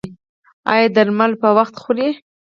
ایا درمل به په وخت خورئ؟